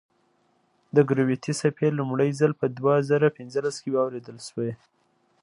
د ګرویتي څپې لومړی ځل په دوه زره پنځلس کې واورېدل شوې.